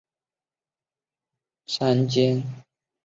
东望跨坐黯影山脉山肩的米那斯伊希尔。